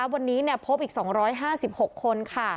วันนี้พบอีก๒๕๖คน